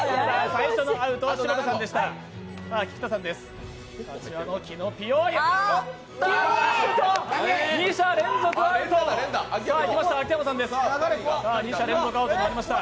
最初のアウトは柴田さんでした。